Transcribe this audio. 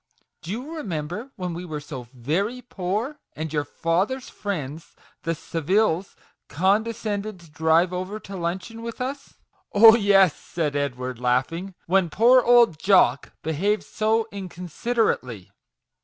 Do you remember when we were so very poor, and your father's friends, the Saviles, condescended to drive over to luncheon with us?" " Oh, yes," said Edward, laughing ;" when poor old Jock behaved so inconsiderately